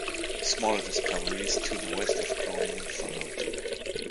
Smaller discoveries to the west of Groningen followed.